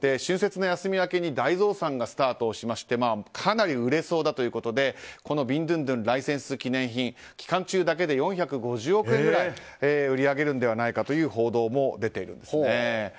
春節の休み明けに大増産がスタートしましてかなり売れそうだということでビンドゥンドゥンのライセンス記念品期間中だけで４５０億円ぐらい売り上げるのではないかという報道も出ているんですね。